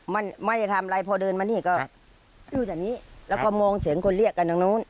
มันไม่ได้ทำอะไรพอเดินมานี่ก็อยู่อย่างนี้แล้วก็มองเสียงคนเรียกกันทางนู้น